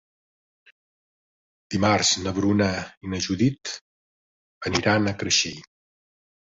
Dimarts na Bruna i na Judit aniran a Creixell.